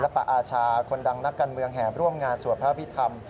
ศิลปอาชาคนดังนักกันเมืองแห่มร่วมงานสวัสดิ์พระพิธรรม